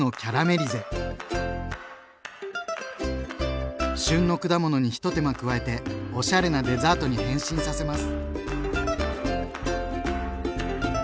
まずは旬の果物に一手間加えておしゃれなデザートに変身させます。